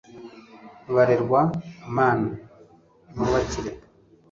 barerwa mana nubakire